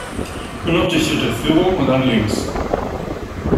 Nur noch durch die Unterführung und dann links.